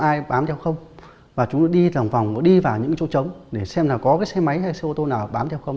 có ai bám theo không và chúng đi vào những chỗ chống để xem là có xe máy hay xe ô tô nào bám theo không